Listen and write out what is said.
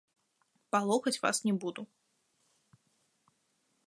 Палохаць вас не буду.